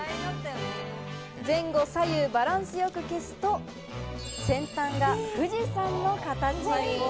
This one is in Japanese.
前後左右バランスよく消すと、先端が富士山の形に。